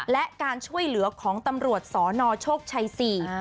และการช่วยเหลือของตำรวจสนโชคชัยสี่